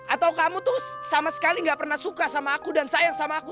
atau kamu tuh sama sekali nggak pernah suka sama aku dan sayang sama aku